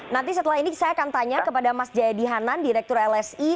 nanti setelah ini saya akan tanya kepada mas jayadi hanan direktur lsi